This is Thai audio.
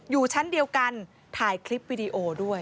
อยู่ชั้นเดียวกันถ่ายคลิปวิดีโอด้วย